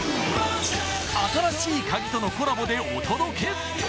新しいカギとのコラボでお届け。